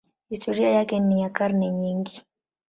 Historia yake ni ya karne nyingi.